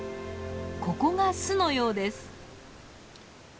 ここが巣のようです。